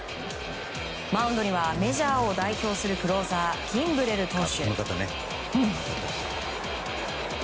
マウンドにはメジャーを代表するクローザーキンブレル投手。